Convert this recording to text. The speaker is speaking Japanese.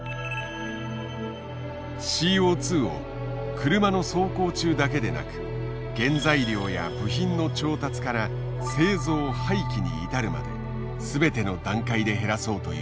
ＣＯを車の走行中だけでなく原材料や部品の調達から製造・廃棄に至るまで全ての段階で減らそうという考えだ。